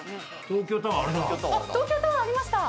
東京タワーありました。